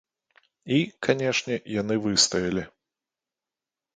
І, канешне, яны выстаялі.